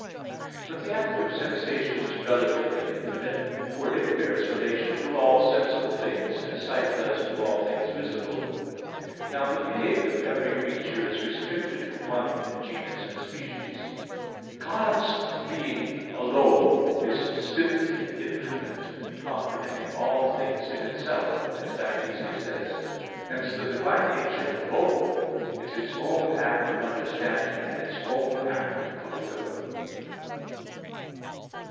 But the act of sensation is relatively infinite, for it bears relation to all sensible things; as sight does to all things visible. Now the being of every creature is restricted to one in genus and species; God's being alone is simply infinite, comprehending all things in itself, as Dionysius says (Div. Nom. v). Hence the Divine nature alone is its own act of understanding and its own act of will.